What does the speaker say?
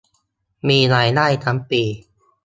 มีรายได้ทั้งปี